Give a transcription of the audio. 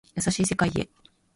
優しい世界へ